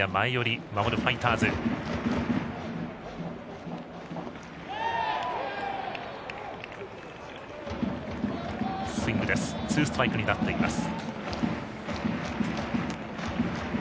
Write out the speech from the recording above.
ツーストライクになっています。